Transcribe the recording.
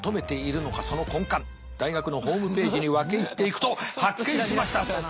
その根幹大学のホームページに分け入っていくと発見しました。